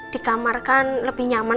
di kamar kan lebih nyaman